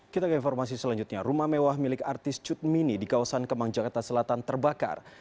kita ke informasi selanjutnya rumah mewah milik artis cutmini di kawasan kemang jakarta selatan terbakar